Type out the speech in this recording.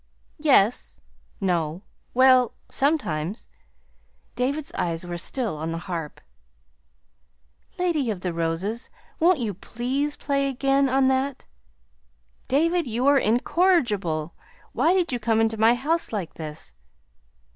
"Yes no well, sometimes." David's eyes were still on the harp. "Lady of the Roses, won't you please play again on that?" "David, you are incorrigible! Why did you come into my house like this?"